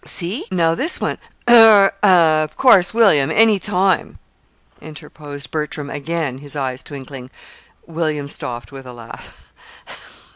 See? Now, this one is " "Er, of course, William, any time " interposed Bertram again, his eyes twinkling. William stopped with a laugh.